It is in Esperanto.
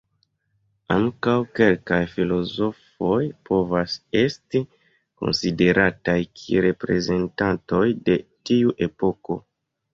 Ankaŭ kelkaj filozofoj povas esti konsiderataj kiel reprezentantoj de tiu epoko.